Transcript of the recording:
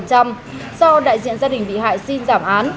do đại diện gia đình bị hại xin giảm án